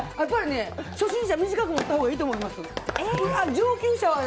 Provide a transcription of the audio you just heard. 初心者、短く持ったほうがいいと思います。